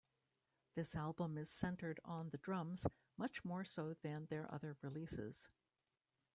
This album is centred on the drums, much more so than their other releases.